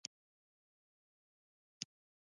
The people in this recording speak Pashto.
مولوي بشیر د هغه مرستیال دی.